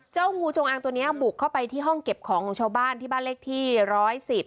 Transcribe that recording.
งูจงอางตัวนี้บุกเข้าไปที่ห้องเก็บของของชาวบ้านที่บ้านเลขที่ร้อยสิบ